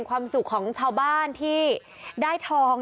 ความสุขของชาวบ้านที่ได้ทอง